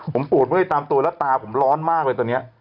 ผมปวดเมื่อยตามตัวแล้วตาผมร้อนมากเลยตอนนี้